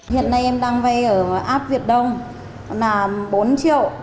hiện nay em đang vay ở app việt đông là bốn triệu